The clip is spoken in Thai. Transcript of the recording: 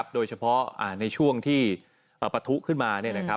โดยเฉพาะในช่วงที่ปะทุขึ้นมา